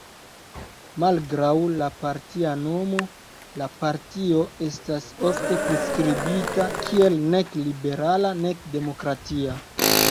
Malgraŭ la partia nomo, la partio estas ofte priskribita kiel "nek liberala nek demokratia.